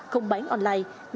không bán online